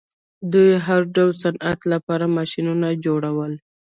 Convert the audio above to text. دوی د هر ډول صنعت لپاره ماشینونه جوړوي.